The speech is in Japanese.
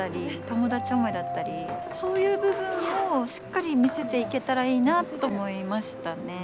友達思いだったりそういう部分もしっかり見せていけたらいいなと思いましたね。